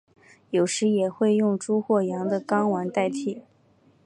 有时也会用猪或羊的睾丸代替。